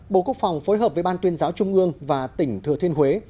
bộ quốc phòng phối hợp với ban tuyên giáo trung ương và tỉnh thừa thiên huế